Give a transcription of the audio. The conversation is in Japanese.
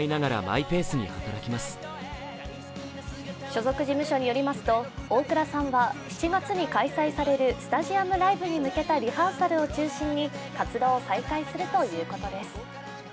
所属事務所によりますと大倉さんは７月に開催されるスタジアムライブに向けたリハーサルを中心に活動を再開するということです。